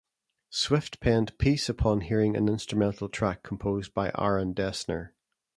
Swift penned "Peace" upon hearing an instrumental track composed by Aaron Dessner.